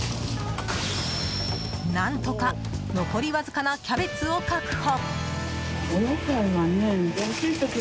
何とか残りわずかなキャベツを確保。